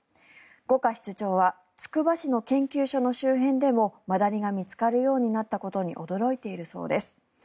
五箇室長はつくば市の研究所の周辺でもマダニが見つかるようになったことに驚いているそうです。